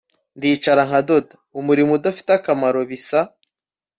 ndicara nkadoda - umurimo udafite akamaro bisa